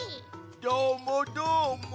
どーもどーも。